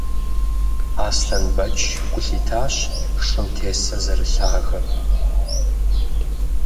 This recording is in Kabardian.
Аслъэнбэч гу лъитащ шым тесыр зэрылъагэм.